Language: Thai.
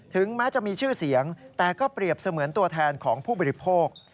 แม้จะมีชื่อเสียงแต่ก็เปรียบเสมือนตัวแทนของผู้บริโภค